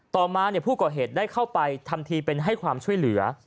ต่อมาผู้ก่อเหตุได้เข้าไปทำทีเป็นให้ความช่วยเหลือ